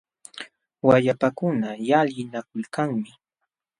Wayapakuna llallinakulkanmi.